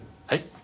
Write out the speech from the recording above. はい！